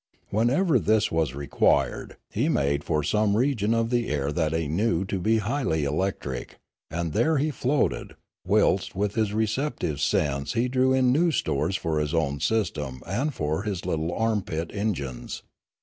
Whenever this was required, he made for some region of the air that he knew to be highly elec tric; and there he floated, whilst with his receptive sense he drew in new stores for his own system and My Education Continued 249 for his little armpit engines.